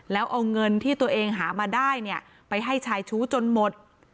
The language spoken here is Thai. แล้วเอาเงินที่ตัวเองหามาได้เนี่ยไปให้ชายชู้จนหมด